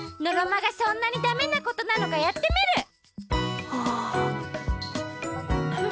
のろまがそんなにだめなことなのかやってみる！